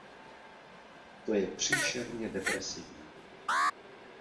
To je příšerně depresivní.